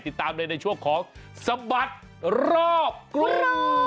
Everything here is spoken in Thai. ติดตามเลยในช่วงของสบัดรอบกรุง